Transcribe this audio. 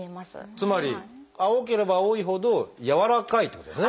つまり青ければ青いほど軟らかいってことですね。